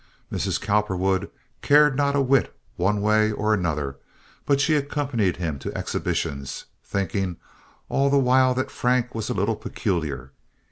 Mrs. Cowperwood cared not a whit one way or another, but she accompanied him to exhibitions, thinking all the while that Frank was a little peculiar.